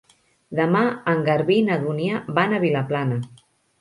Demà en Garbí i na Dúnia van a Vilaplana.